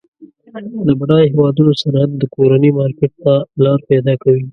د بډایه هیوادونو صنعت د کورني مارکیټ ته لار پیداکوي.